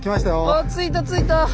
わ着いた着いた！